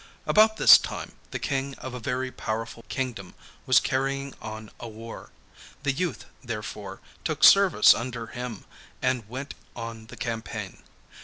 About this time the King of a very powerful kingdom was carrying on a war; the youth therefore took service under him and went on the campaign.